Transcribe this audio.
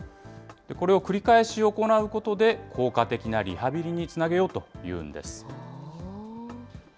これを繰り返し行うことで、効果的なリハビリにつなげようというんです。